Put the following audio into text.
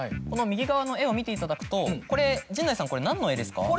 この右側の絵を見ていただくとこれ陣内さん何の絵ですか？